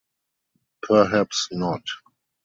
Perhaps not.